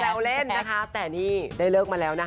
เราเล่นนะคะแต่นี่ได้เลิกมาแล้วนะคะ